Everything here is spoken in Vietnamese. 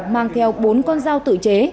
mang theo bốn con dao tự chế